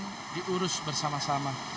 butuhkan diurus bersama sama